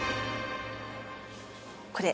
これ。